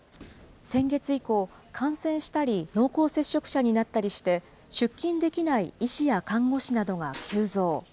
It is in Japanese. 先月以降、感染したり、濃厚接触者になったりして、出勤できない医師や看護師などが急増。